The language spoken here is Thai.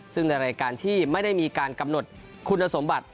ซึ่งในรายการที่ไม่ได้มีการกำหนดคุณสมบัติ